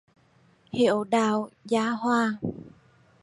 Hiếu đạo gia hòa